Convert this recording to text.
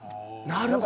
なるほど！